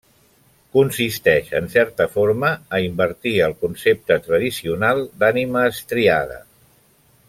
Consisteix, en certa forma, a invertir el concepte tradicional d'ànima estriada.